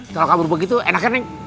kalau kabur begitu enak kan neng